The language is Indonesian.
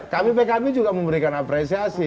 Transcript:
kbpkb juga memberikan apresiasi